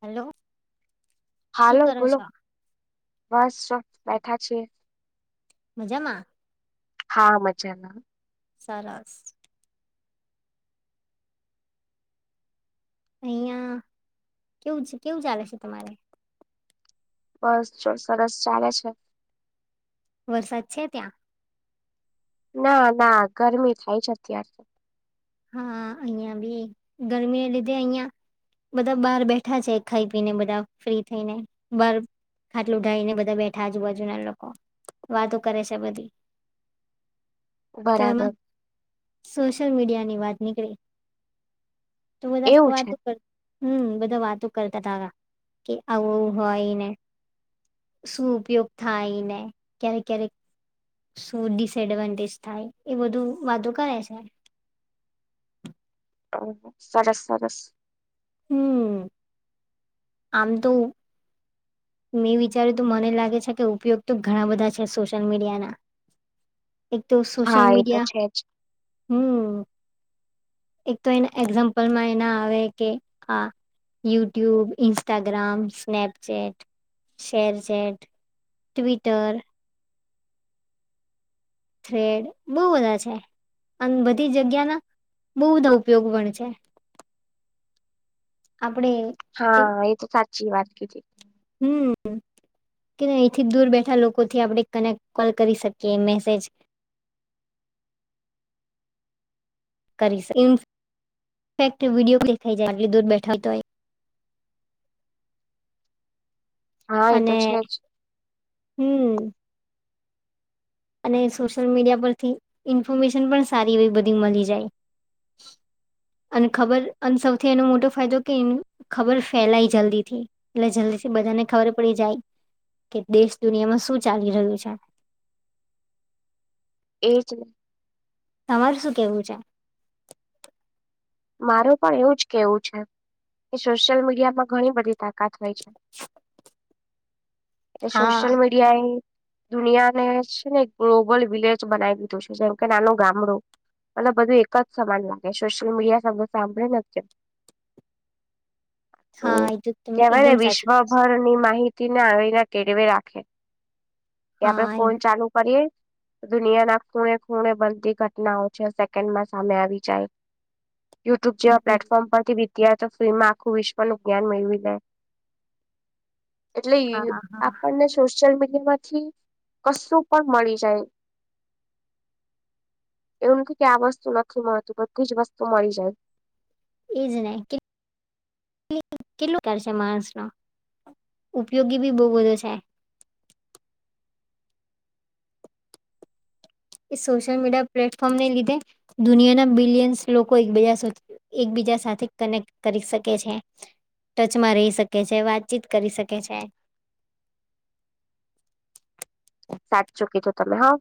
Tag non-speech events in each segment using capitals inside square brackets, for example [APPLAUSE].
Hello શું હાલો કરો બોલો છો બસો બેઠા છીએ મજામાં હા મજા મા સરસ અહિયા કેવું કેવું ચાલે છે તમારે બસ સરસ ચાલે છે વરસાદ છે ત્યાં ના ના ગરમી થાય છેં અત્યારે હા અહિયાં બી ગરમી લીધે અહિયાં બધા બહાર બેઠા છે ખાઈ પીને બધા ફ્રી થઈને બાર ખાટલું ઉઢાવીને બધા બેઠા આજુબાજુના લોકો વાતો કરે છે બધી તો એમાં બરાબર સોશિયલ મીડિયાની વાત નીકળ તો બધ એવું છે વાતો કર હમ્મ બધા વાતો કરતા હતા કે આવું હોય ને શું ઉપયોગ થાય ને ક્યારેક ક્યારેક શું ડિસએડવાન્ટેજ થાય એ બધું વાતો કરે છે હ સરસ સરસ હમ્મ આમ તો મેં વિચાર્યું તો મને લાગે છે કે ઉપયોગ તો ઘણા બધા છે સોશિયલ મીડિયા ના એક તો સોશલ હા એ તો મીડિયા છે જ હમ્મ એક તો એના એક્ઝામ્પલમાં એના આવે કે આ YouTube Instagram Snapchat ShareChat Twitter thread બહુ બધા છે અને બધી જગ્યાના બહુ બધા ઉપયોગ પણ છે આપડે હા એ તો સાચી વાત કીધી હમ્મ કે અહીથી દૂર બેઠા લોકો થી આપણે કનેક્ટ કોલ કરી શકીએ મેસેજ કરીસ ઇન્ફેક્ટ ક્વિડીયો દેખાઈ જાય આટલી દૂર બેઠા હોય હા એ તો અને છે જ હમ અને સોશિયલ મીડિયા પરથી ઇન્ફોર્મેશન પણ સારી એવી બધી મળી જાય અને ખબર અને સૌથી એનો મોટો ફાયદો કે ખબર ફેલાય જલ્દી થી એટલે જલ્દીથી બધાને ખબર પડી જાય કે દેશ દુનિયામાં શું ચાલી રહ્યું છે એ જ ને તમારે શું કેવું છે માર પણ એવું જ કેવું છે કે સોશિયલ મીડિયામાં ઘણી બધી તાકાત હોય છે [UNINTELLIGIBLE] એ હા સોશ્યલ મીડિયા એ દુનિયાને છે ને એક ગ્લોબલ વિલેજ બનાવી દીધો છે જેમ કે નાનો ગામડો મને બધું એક જ સમાન લાગે સોશિયલ મીડિયા સાંભળી હા [UNINTELLIGIBLE] એ તો તમે કેવાય એકદમ ને સાચું વિશ્વભરની માહિતી ના આવી ના કેળવે રાખે કે આપડણે કીધું. ફોન ચાલુ કરીએ દુનિયા ના ખૂણે ખૂણે બનતી ઘટનાઓ છે સેકન્ડમાં સામે આવી જાય યુટ્યુબ જેવા હા હમ, પ્લેટફોર્મ પરથી બીતીાય તો ફ્રીમાં આખું વિશ્વનું જ્ઞાન મેળવી લે એટલે હા હા આપણને સોશિયલ મીડિયા માંથી કશું પણ મળી જાય એવું નથી કે આ વસ્તુ નથી મળતું બધી જ વસ્તુ મળી જાય એઈજ નહ કે કેટલું ખ છે માણસ નો ઉપયોગી બી બહુ બધો છે. એ સોશિયલ મીડિયા પ્લેટફોર્મ ને લીધે દુનિયા ના બિલિયન્સ લોકો એકબજા એકબીજા સાથે કનેક્ટ કરી શકે છે. ટચમાં રહી શકે છે વાતચીત કરી શકે છે. સાચૂ કીધું તમે હા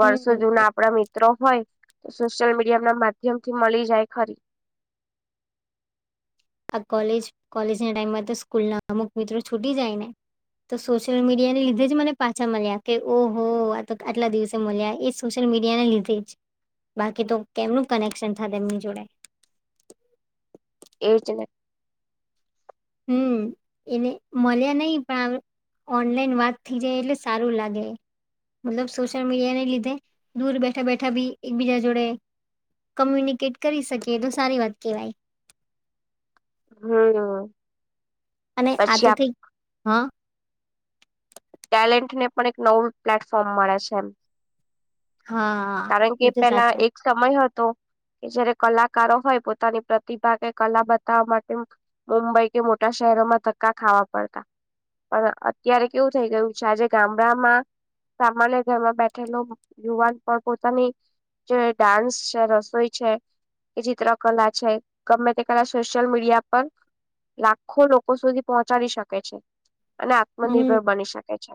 વર્ષો હમ જૂના એ- આપડા મિત્રો હોય તો સોશિયલ મીડિયા ના માધ્યમ થી મળી જાય ખરી આ કોલેજ કોલેજ ના ટાઈમમાં તો સ્કૂલ ના અમુક મિત્રો છૂટી જાય ને તો સોશિયલ મીડિયા ને લીધે જ મને પાછા મળ્યા કે ઓહ આ આટલા દિવસે મળ્યા એજ સોશિયલ મીડિયાને લીધે જ બાકી તો કેમનું કનેક્શન થ એમની જોડે એજને હમ્મ એલે મળ્યા નહી પણ અપ ઓનલાઈન વાત થથી જાય એટલે સારું લાગે. મતલબ સોશિલ મીડિયા ન લીધે દૂર બેઠા બેઠા ભી એકબીજા જોડે કોમ્યુનિકેટ કરી શકી એ તો સારી વાત કહેવાય હમ્મ અને આતું થી હ ટેલેન્ટ ને પણ એક નવું પ્લેટફોર્મ મળે છે એમ હા કારણ કે એ તો પેલા સાચે એક સમય હતો કે જયારે કલાકારો હોય પોતાની પ્રતિભા કે કલા બતાવવા માટે મુંબઈ કે મોટા શહેરોમાં ધક્કા ખાવા પડતા પણ અત્યારે કેવું થઈ ગયું છે આજે ગામડામાં સામાન્ય ઘરમાં બેઠેલો યુવાન પણ પોતાની જે ડાન્સ છે રસોઈ છે. કે ચિત્ર કલા છે ગમે તે કલા સોશિયલ મીડિયા પર લાખો લોકો સુધી પહોંચાડી શકે છે અને હમ આત્મનિર્ભર બની શકે છે.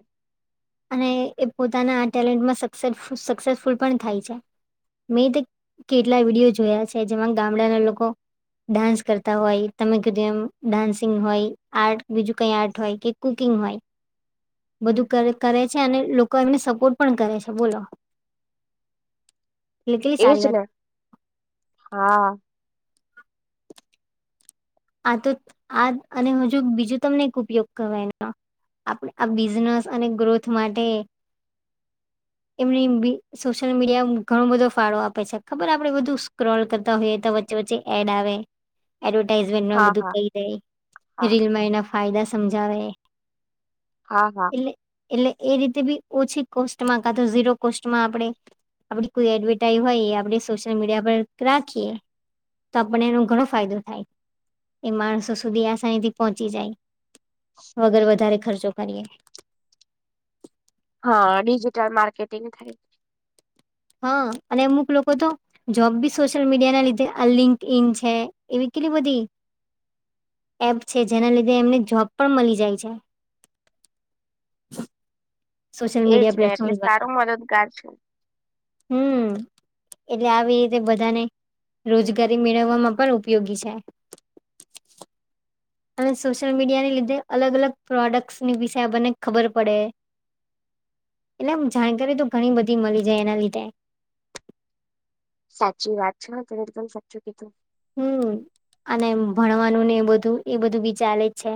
અને એ પોતાના આ ટેલેન્ટમાં સ સક્સેસફુલ પણ થાય છે. મેં તો કેટલા વિડીયો જોયા છે જેમાં ગામડાના લોકો ડાન્સ કરતા હોય તમે કીધું એમ ડાન્સિંગ હોય આર્ટ બીજું કઈ આર્ટ હોય કે કુકિંગ હોય બધું કરે કરે છે અને લોકો એમને સપોર્ટ પણ કરે છે બોલો એટલે કેટલી એજ સારી વાત ને હા આ તો આ અને હજુ બીજું તમને એક ઉપયોગ કરવા એનો આપણે આ બિઝનેસ અને ગ્રોથ માટે એમની સોશિયલ મીડિયા ઘણો બધો ફાળો આપે છે ખબર આપડે બધું સ્ક્રોલ કરતા હોઈએ વચ્ચે એડ આવે એડવટાઈઝ હા બધું હા કહી દે હા રીલમાં એના ફાયદા સમજાવે હા હા એટલે એટલે એ રીતે બી ઓછી કોસ્ટમાં કા તો ઝીરો કોસ્ટમાં આપણે આપડી કોઈ એડવર્ટાઈઝ હોય એ આપડણે સોશિયલ મીડિયા પર રાખીએ તો આપને એનો ઘણો ફાયદો થાય એ માણસો સુધી આસાની થી પહોંચી જાય વગર વધારે ખર્ચો કરીએ. હા ડિજિટલ માર્કેટિંગ થાય હા અને અમુક લોકો તો જોબ બી સોશિયલ મીડિયા ના લીધે આ લિંકડઇન છે એવી કેટલી બધી એપ છે જેના લીધે એમને જોબ પણ મળી જાય છે. સોશિલ એજ મીડિયા ને એટલે પ્લેટફોર્મ સારું દ્વારા મદદગાર છે. હમ. એટલે આવી રીતે બધાને રોજગારી મેળવવામાં પણ ઉપયોગી છે.. અને સોશિયલ મીડિયાને લીધે અલગ અલગ પ્રોડક્ટની વિશે આપણને ખબર પડે. એટલે જાણકારી તો ઘણી બધી મળી જાય એના લીધે. સાચી વાત છે ને તે એકદમ સાચું કીધું. હમ અને ભણવાનું ને એ બધું એ બધું બી ચાલે જ છે.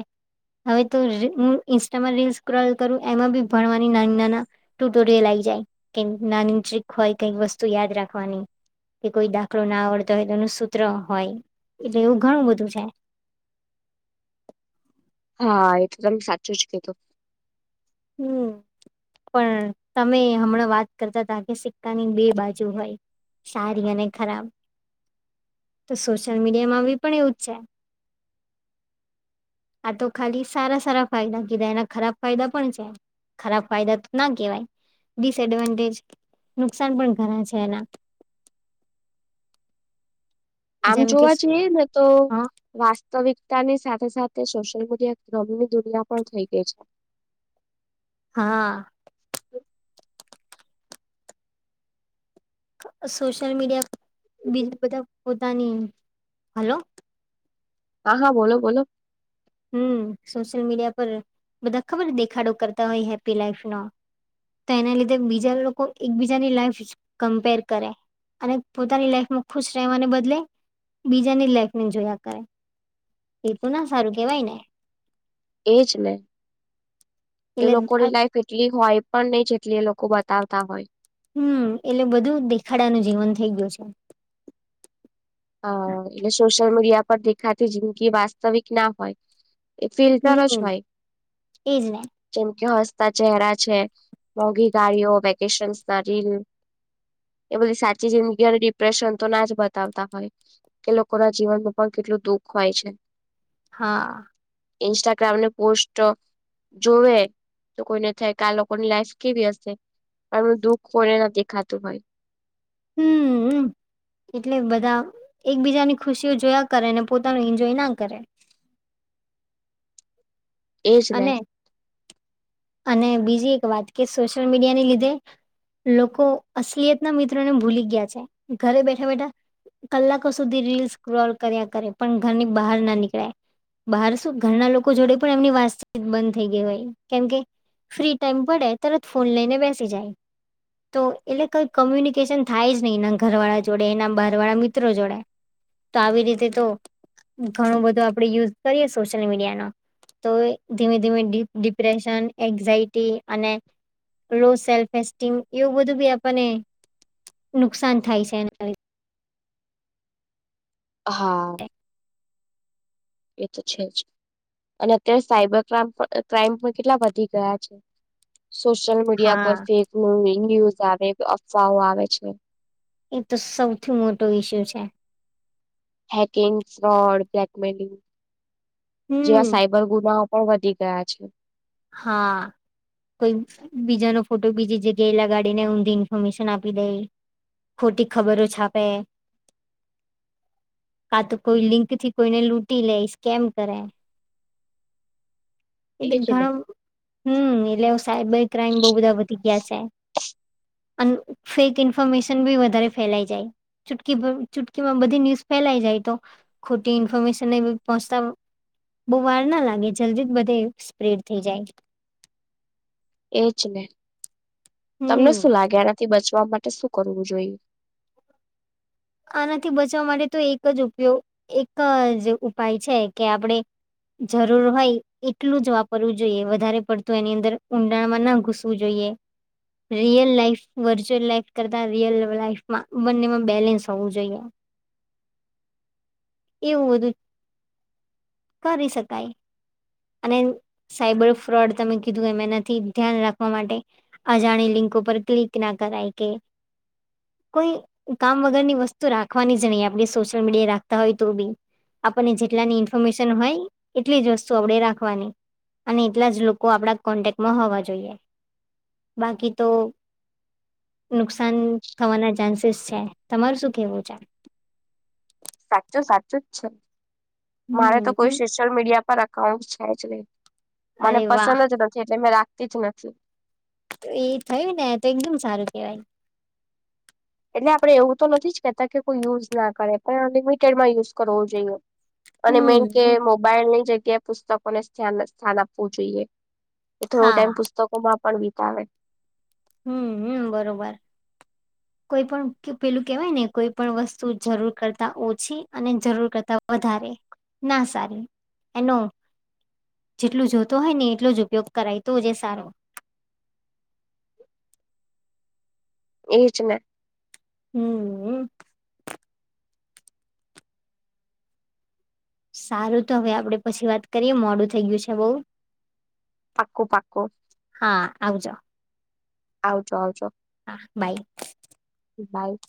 હવે તો હું ઇન્સ્ટામાં રીલ્સ ક્રોલ કરું એમાં બી ભણવાની નાની નાના ટૂટોડીયલ આઈ જાય નાની ટ્રીક હોય કઈક વસ્તુ યાદ રાખવાની. કે કોઈ દાખલો ના આવડતો હોય તો એનું સૂત્ર હોય એટલે એવું ઘણું બધું છે. હા એ તો તમે સાચું જ કીધું. હમ. પણ તમે હમણાં વાત કરતા હતા કે સિક્કાની બે બાજુ હોય. સારી અને ખરાબ. તો સોશિયલ મીડિયા માં પણ એવું જ છે. આ તો ખાલી સારા સારા ફાયદા કીધા એના ખરાબ ફાયદા પણ છે ખરાબ ફાયદા તો ના કેવાય ડિસએડવાન્ટેજ નુકસાન પણ ગણા છે એના. આમ જેમ કે જોવા જઈએ ને તો હ વાસ્તવિકતા ની સાથે સાથે સોશિયલ મીડિયા ક્રમની દુનિયા પણ થઈ ગઈ છે. હા. સોશિયલ મીડિયા બીજું બધા પોતાની હલો? હા હા બોલો બોલો. હમ સોશિયલ મીડિયા પર બધા ખબર દેખાડો કરતા હોય હેપ્પી લાઈફ નો તો એના લીધે બીજા લોકો એકબીજાની લાઈફ કમ્પેર કરે. અને પોતાની લાઈફમાં ખુશ રહેવાને બદલે બીજાની લાઈફને જોયા કરે. એતો ના સારું કેવાય ને? એજ ને એ એટલે આ લોકોની લાઈફ એટલી હોય પણ નહી જેટલી એ લોકો બતાવતા હોય. હમ એટલે બધું દેખાડાનું જીવન થઈ ગયું છે. હ એટલે સોશિયલ મીડિયા પર દેખાતી જિંદગી વાસ્તવિક ના હોય. એ ફિલ્ટર જ હમ હો. એજ ને જેમકે હસતા ચેરા છે મોઘી ગાડીઓ વેકેશન એ બધી સાચી જિંદગી અને ડિપ્રેશન તો ના જ બતાવતા હોય. કે લોકો ના જીવન ન પણ કેટલું દુખ હોય છે. હા. ઈન્સ્ટાગ્રામ એ પોસ્ટ જોવે તો કોઈને થાય કે આ લોકોની લાઈફ કેવી હશે? એમનું દુઃખ કોને ન દેખાતું હોય. હમ. એટલે બધા એકબીજાની ખુશીઓ જોયા કરે ને પોતાનું ઈન્જોય ના કરે. એજ ને અને અને બીજી એક વાત કે સોશિયલ મીડિયાની લીધે લોકો અસલિયત ના મિત્રો ને ભૂલી ગયા છે ઘરે બેઠા બેઠા કલાકો સુધી રીલસ ક્રોલ કર્યા કરે પણ ઘરની બહાર ના નીકળે. બહાર શું ઘરના લોકો જોડે પણ એમની વાસ્ત સી બંધ થઈ ગઈ હોય કેમકે ફ્રી ટાઈમ પડે તરત ફોન લઈને બેસી જાય તો એટલે કઈ કોમ્યુનિકેશન થાય જ નહીિ એના ઘર વાળા જોડે એના બહાર વાળા મિત્રો જોડે તો આવી રીતે તો ઘણું બધું આપડે યુઝ કરીએ સોશિયલ મીડિયાનો તો ધીમે ધીમે ડિપ્રેશન એન્ઝાયટી અને લો સેલ્ફ એસ્ટીમ એવું બધું બી આપણને નુકસાન થાય છે એના લ હા એ તો છે જ અને અત્યારે સાઈબર ક્રમ ક્રાઈમ પણ કેટલા વધી ગયા છે સોશિયલ મીડિયા હા પર ફેક ન ન્યુઝ આવે અફવાઓ આવે છે એ તો સૌથી મોટો ઈસ્યુ છે હેકિંગડ બ્લકમેલિંગ હમ જેવા સાયબર ગુના વધી ગયા છે હા કોઈ બીજાનો ફોટો બીજી જગ્યાએલા ગાડીને ઊમી ઇન્ફોર્મેશન આપી દઈ ખોટી ખબરો છ પે કા તો કોઈ લિંક થી કોઈને લૂટી લે સ્કેમ કરે એટ એજ ને. હમ એટલે સાયબર ક્રાઈમ બહુ બધા વધી ગયા છે અને ફેક ઇન્ફોર્મેશન બી વધારે ફેલાઈ જાય ચૂટકી ચૂટકીમાં બધી ન્યૂઝ ફેલાઈ જાય તો ખોટી ઇન્ફોર્મેશન એ પહોંચતા બહુ વાર ના લાગે જલ્દી જ બધે પ્રેડ થઈ જાય એજ ને તમને હમ શું લાગે આનાથી બચવા માટે શું કરવું જોઈએ આનાથી બચાવવા માટે તો એક જ ઉપયોગ એક જ ઉપાય છે કે આપણેે જરૂર હોય એટલું જ વાપરવું જોઈએ વધારે પડતું એની અંદર ઊંડાણમાં ના ઘુસ શું જોઈએ રિયલ લાઈફ વર્ચ્યુઅલ લાઈફ કરતા રિયલ લાઈફમાં બંનેમાં બેલેન્સ થું જઈ એવું બધું કરી શકાય અને સાયબર ફ્રોડ તમે કીધું એમાં નથી ધ્યાન રાખવા માટે અજાણી લિંકો પર ક્લિક ના કરાય કે કોઈ કામ વગર ની વસ્ુ વસ્તુ રાખવાની જ નહીં આપણે સોશિયલ મીડિયા રાખતા હોય તો બી આપણને જેટલાની ઇન્ફોર્મેશન હોય એટલી જ વસ્તુ આપણે રાખવાની અને એટલા જ લોકો આપણા કોન્ટેક્ટમાં હોવા જોઈએ બાકી તો નુકસાન થવાના ચાન્સીસ છે તમાર શું કેવું છે સાચું સાચું જ છે મારે તો કોઈ હમ્મ. શીષ સોશયલ મીડિયા પર એકકાઉન્ટ છે મને અરે વાહ પસંદ જ નથી એટલે મેં રાખતી જ નથી તો એ થયું ને તો એકદમ સારું કેહેવાય એટલે આપડણે એવું તો નથી જ કહેતા કે કોઈ યુઝ ના કરે પણ અનલિમિટેડમાં યુઝ કરવો જોઈએ અને મેન કે હમ્મ મોબાઈલ ની જગ્યાએ પુસ્તકોને સ્થાન આપવું જોઈએ એ થોડો હા ટાઈમ પુસ્તકો માં પણ વિતાવે હમ હમ બરોબર કોઈ પણ પેલું કેહેવાય ને કોઈ પણણ વસ્તુ જરૂર કરતા ઓછી અને જરૂર કરતા વધારે ના સારું એનો જેટલું જોતો હોય ને એટલો જ ઉપયોગ કરાયતો છે સારો એ જ ને. હમ સારું તો હવે આપડે પછી વાત કરીએ મોડું થઈ ગયું છે બઉુ પાકું પાકું હા આવજો આવજો આવજો. હા બાય. બાય.